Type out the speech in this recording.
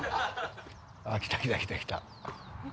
ああ来た来た来た来た。